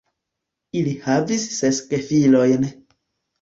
Ili havis ses gefilojn.